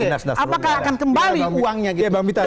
inas inas apakah akan kembali uangnya gitu